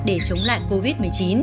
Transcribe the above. để chống lại covid một mươi chín